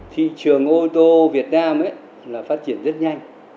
thị trường ô tô việt nam là phát triển rất nhanh